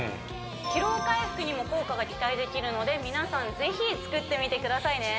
疲労回復にも効果が期待できるので皆さん是非作ってみてくださいね